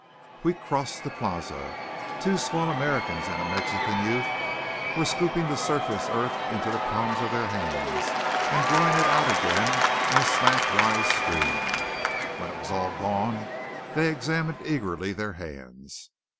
We crossed the Plaza. Two small Americans and a Mexican youth were scooping the surface earth into the palms of their hands and blowing it out again in a slantwise stream. When it was all gone, they examined eagerly their hands.